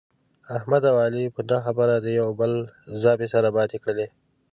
احمد او علي په نه خبره د یوه او بل زامې سره ماتې کړلې.